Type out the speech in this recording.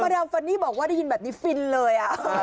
ดำฟันนี่บอกว่าได้ยินแบบนี้ฟินเลย